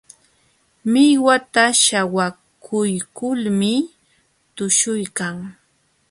Millwata śhawakuykulmi tuśhuykan.